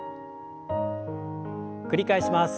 繰り返します。